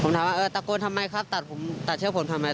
ผมถามว่าตะโกนทำไมครับตัดเชื้อผลทำไม